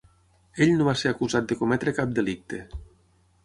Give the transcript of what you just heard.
Ell no va ser acusat de cometre cap delicte.